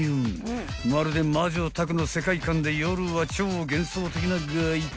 ［まるで『魔女宅』の世界観で夜は超幻想的な外観］